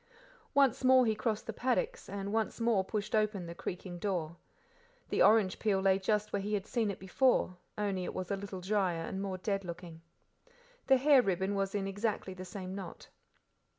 Once more he crossed the paddocks, and once more pushed open the creaking door. The orange peel lay just where he had seen it before, only it was a little drier and more dead looking. The hair ribbon was in exactly the same knot.